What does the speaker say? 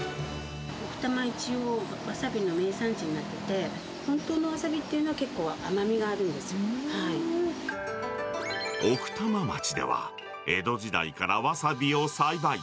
奥多摩、一応、ワサビの名産地になってて、本当のワサビっていうのは、奥多摩町では、江戸時代からワサビを栽培。